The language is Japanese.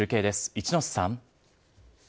一之瀬さん。